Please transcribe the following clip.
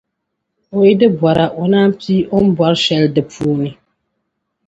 O yi di bora O naan piigi O ni bɔri shɛli di puuni.